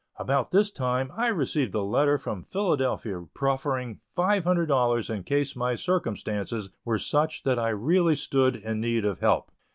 About this time I received a letter from Philadelphia proferring $500 in case my circumstances were such that I really stood in need of help.